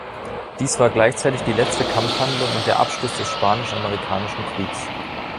Dies war gleichzeitig die letzte Kampfhandlung und der Abschluss des Spanisch-Amerikanischen Kriegs.